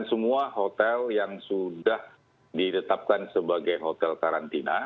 dan semua hotel yang sudah ditetapkan sebagai hotel karantina